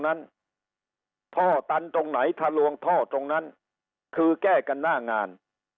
นั้นท่อตันตรงไหนทะลวงท่อตรงนั้นคือแก้กันหน้างาน